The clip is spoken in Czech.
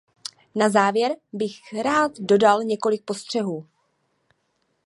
Na závěr bych rád dodal několik postřehů.